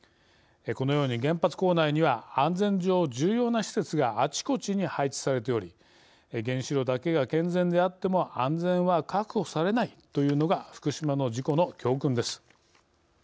このように原発構内には安全上、重要な施設があちこちに配置されており原子炉だけが健全であっても安全は確保されないというのが福島の事故の教訓です。